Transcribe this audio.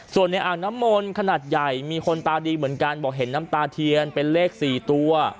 ส่วนในอ่างน้ำมนต์ขนาดใหญ่มีคนตาดีเหมือนกันบอกเห็นน้ำตาเทียนเป็นเลข๔ตัว